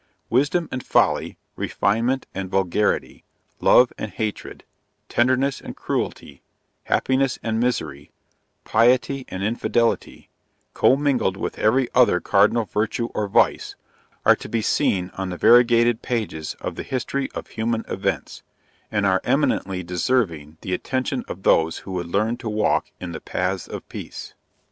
Wisdom and folly, refinement and vulgarity, love and hatred, tenderness and cruelty, happiness and misery, piety and infidelity, commingled with every other cardinal virtue or vice, are to be seen on the variegated pages of the history of human events, and are eminently deserving the attention of those who would learn to walk in the "paths of peace."